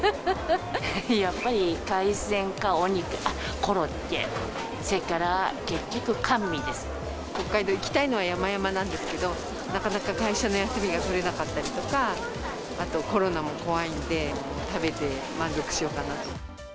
やっぱり海鮮かお肉、あっ、コロッケ、それから結局、北海道行きたいのはやまやまなんですけど、なかなか会社の休みが取れなかったりとか、あとコロナも怖いんで、食べて満足しようかなと。